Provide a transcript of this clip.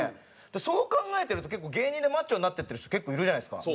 そう考えてると結構芸人でマッチョになっていってる人結構いるじゃないですか。